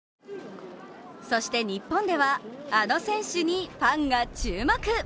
そして日本ではあの選手にファンが注目。